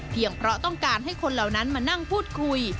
เพราะต้องการให้คนเหล่านั้นมานั่งพูดคุย